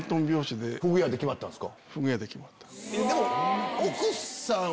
フグ屋で決まったんですか？